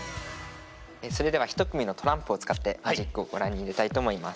それでは１組のトランプを使ってマジックをご覧に入れたいと思います。